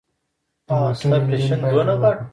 د موټر انجن باید روغ وي.